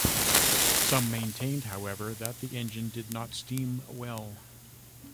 Some maintained however that the engine did not steam well.